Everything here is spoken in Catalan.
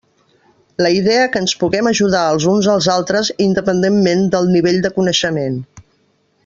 La idea que ens puguem ajudar els uns als altres independentment del nivell de coneixement.